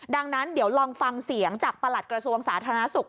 ดังนั้นเดี๋ยวลองฟังเสียงจากประหลัดกระทรวงสาธารณสุข